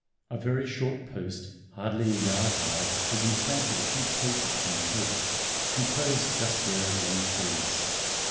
A very short post, hardly a yard high, was implanted a few paces from the hedge, composed just there of young trees.